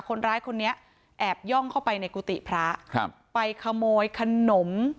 คนร้ายคนนี้แอบย่องเข้าไปในกุฏิพระครับไปขโมยขนม